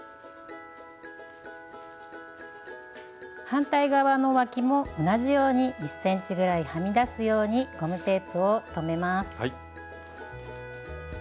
反対側のわきも同じように１ｃｍぐらいはみ出すようにゴムテープを留めます。